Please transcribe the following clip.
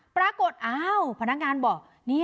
ปรากฏอ้าวพนักงานบอก